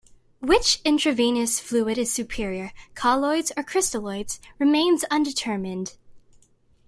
Which intravenous fluid is superior, colloids or crystalloids, remains undetermined.